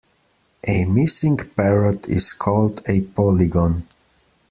A missing parrot is called a polygon.